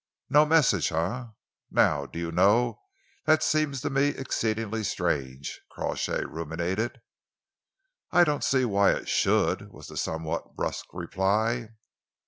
"No message, eh? Now, do you know, that seems to me exceedingly strange," Crawshay ruminated. "I don't see why it should," was the somewhat brusque reply.